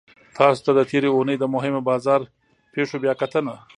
تاسو ته د تیرې اونۍ د مهمو بازار پیښو بیاکتنه